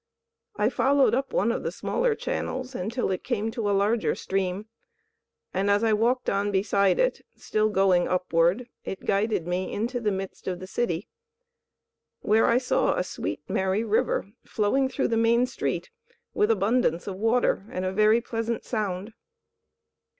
I followed up one of the smaller channels until it came to a larger stream, and as I walked on beside it, still going upward, it guided me into the midst of the city, where I saw a sweet, merry river flowing through the main street, with abundance of water and a very pleasant sound.